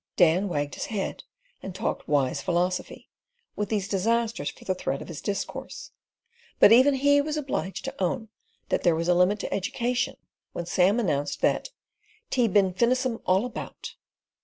Dan wagged his head and talked wise philosophy, with these disasters for the thread of his discourse; but even he was obliged to own that there was a limit to education when Sam announced that "Tea bin finissem all about."